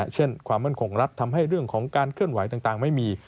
ความมั่นคงรัฐทำให้เรื่องของการเคลื่อนไหวต่างไม่มี